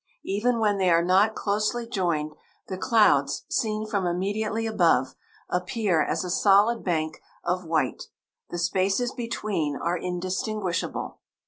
Even when they are not closely joined, the clouds, seen from immediately above, appear as a solid bank of white. The spaces between are indistinguishable.